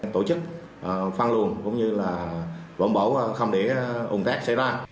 tổ chức phan luồng cũng như võng bổ không để ủng thác xảy ra